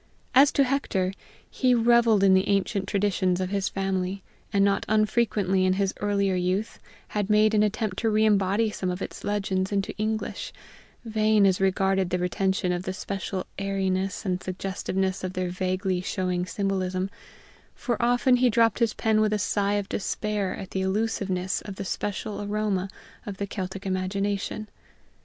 As to Hector, he reveled in the ancient traditions of his family, and not unfrequently in his earlier youth had made an attempt to re embody some of its legends into English, vain as regarded the retention of the special airiness and suggestiveness of their vaguely showing symbolism, for often he dropped his pen with a sigh of despair at the illusiveness of the special aroma of the Celtic imagination.